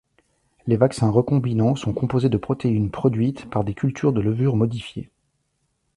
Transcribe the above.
Les vaccins recombinants sont composés de protéines produites par des cultures de levure modifiée.